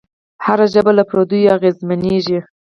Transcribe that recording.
هره ژبه له پردیو اغېزمنېږي.